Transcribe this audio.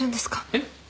えっ？